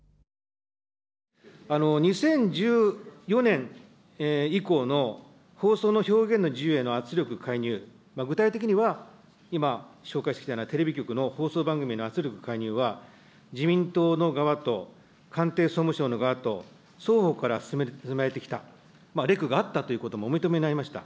２０１４年以降の放送の表現の自由への圧力介入、具体的には、今、紹介したようなテレビ局の放送番組への圧力介入は自民党の側と官邸、総務省の側と、双方から進められてきた、レクがあったということもお認めになりました。